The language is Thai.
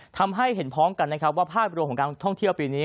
ทำให้เห็นพร้อมกันนะครับว่าภาพรวมของการท่องเที่ยวปีนี้